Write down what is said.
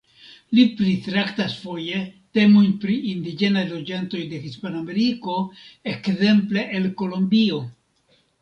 Li pritraktas foje temojn pri indiĝenaj loĝantoj de Hispanameriko, ekzemple el Kolombio.